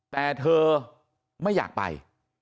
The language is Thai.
แต่เธอไม่อยากไป